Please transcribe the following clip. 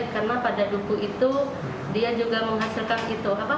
karena pada duku itu dia juga menghasilkan itu